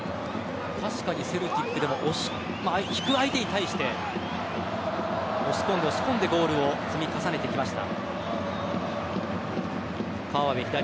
確かにセルティックでも引く相手に対して押し込んで押し込んでゴールを積み重ねてきました。